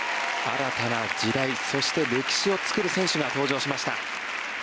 新たな時代そして歴史を作る選手が登場しました。